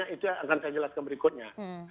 itu yang akan saya jelaskan berikutnya